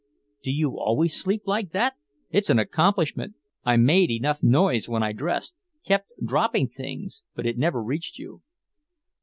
"Do you always sleep like that? It's an accomplishment. I made enough noise when I dressed, kept dropping things, but it never reached you."